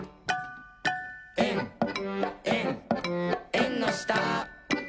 「えんえんえんのした」